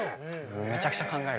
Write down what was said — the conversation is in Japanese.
めちゃくちゃ考える。